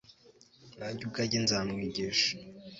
Nanjye ubwanjye nzamwigisha